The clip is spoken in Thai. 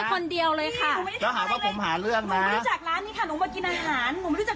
คนไหนมาจะได้คุยไว้ตำรวจอ่ะ